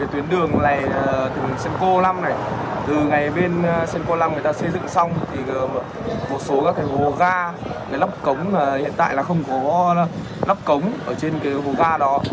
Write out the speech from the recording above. tuyến đường này từ sân cô lâm này từ ngày bên sân cô lâm người ta xây dựng xong thì một số các cái hồ ga cái lắp cống hiện tại là không có lắp cống ở trên cái hồ ga đó